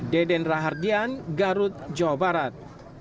deden rahardian garut jawa barat